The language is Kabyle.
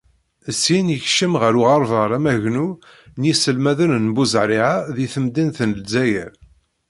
Syin, yekcem ɣer Uɣerbar Amagnu n Yiselmaden n Buzarriεa deg temdint n Lezzayer.